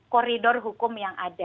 koridor hukum yang ada